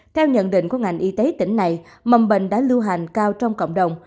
theo nhận định của ngành y tế tỉnh này mầm bệnh đã lưu hành cao trong cộng đồng